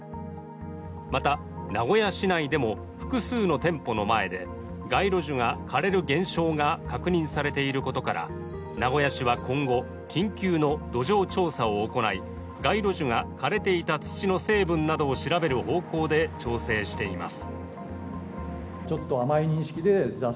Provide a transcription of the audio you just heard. また名古屋市内でも、複数の店舗の前で街路樹が枯れる現象が確認されていることから名古屋市は今後、緊急の土壌調査を行い街路樹が枯れていた土の成分などを調べる方向で調整しています。